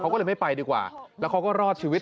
เขาก็เลยไม่ไปดีกว่าแล้วเขาก็รอดชีวิต